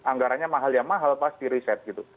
anggaranya mahal ya mahal pasti reset gitu